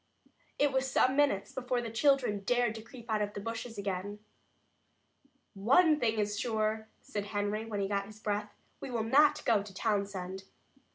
It was some minutes before the children dared to creep out of the bushes again. "One thing is sure," said Henry, when he got his breath. "We will not go to Townsend."